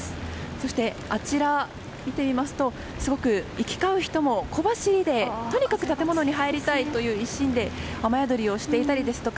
そして、あちらを見てみますとすごく行き交う人も小走りでとにかく建物に入りたいという一心で雨宿りをしていたり。